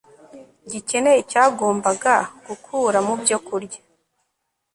gikeneye cyagombaga gukura mu byokurya